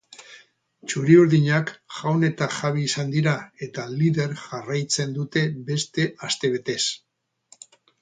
Txuri-urdinak jaun eta jabe izan dira eta lider jarraitzen dute beste astebetez.